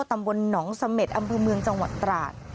ตำบลหนองเสม็ดอำเภอเมืองจังหวัดตราด